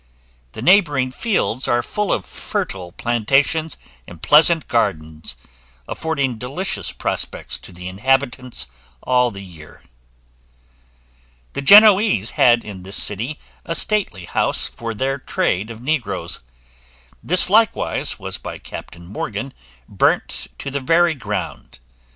The neighbouring fields are full of fertile plantations and pleasant gardens, affording delicious prospects to the inhabitants all the year. [Illustration: "'MORGAN RE ENTERED THE CITY WITH HIS TROOPS'" Page 215] The Genoese had in this city a stately house for their trade of negroes. This likewise was by Captain Morgan burnt to the very ground.